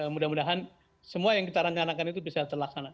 mudah mudahan semua yang kita rencanakan itu bisa terlaksana